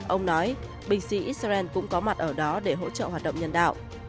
ông nói bình sĩ israel cũng có mặt ở đó để hỗ trợ hoạt động nhân đạo